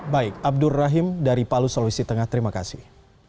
baik abdur rahim dari palu sulawesi tengah terima kasih